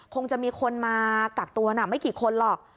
คงจะมีคนมากักตัวน่ะไม่กี่คนหรอก